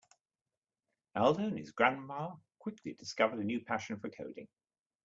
Aldo and his grandma quickly discovered a new passion for coding.